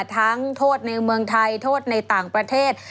โทษในเมืองไทยโทษในต่างประเทศ